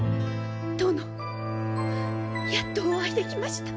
殿やっとお会いできました。